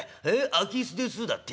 『空き巣です』だって。